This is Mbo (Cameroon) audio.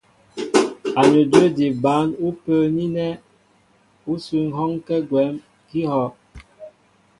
Anədwə́ di bǎn ú pə́ə́ní ánɛ́ ú sí ŋ̀hɔ́ɔ́nkɛ́ gwɛ́m kɛ́ íhɔ́'.